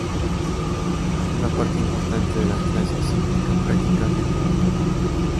Una parte importante de las clases implican prácticas de laboratorio.